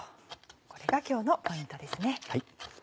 これが今日のポイントですね。